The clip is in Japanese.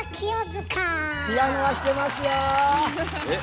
ピアノは弾けますよ。